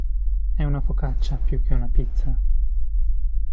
È una focaccia più che una pizza.